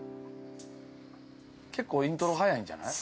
結構イントロ早いんじゃない？